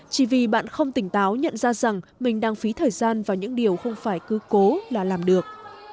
chỉ vì bạn không tỉnh táo nhận ra rằng mình đang phí thời gian vào những điều không phải cứ cố là làm được